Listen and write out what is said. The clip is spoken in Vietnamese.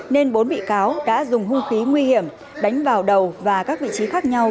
nên bốn bị cáo đã dùng hung khí nguy hiểm đánh vào đầu và các vị trí khác nhau